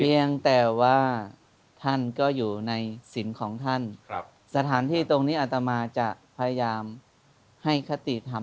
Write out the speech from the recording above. เพียงแต่ว่าท่านก็อยู่ในศิลป์ของท่านครับสถานที่ตรงนี้อัตมาจะพยายามให้คติธรรม